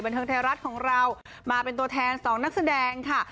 เทิงไทยรัฐของเรามาเป็นตัวแทน๒นักแสดงค่ะ